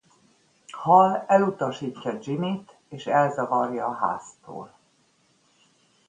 Hal elutasítja Jimmy-t és elzavarja a háztól.